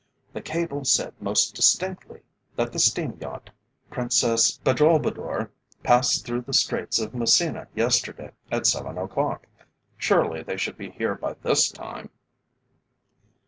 "The cable said most distinctly that the steam yacht, Princess Badroulbadour passed through the Straits of Messina yesterday at seven o'clock. Surely they should be here by this time?"